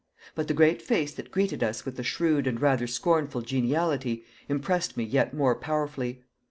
But the great face that greeted us with a shrewd and rather scornful geniality impressed me yet more powerfully.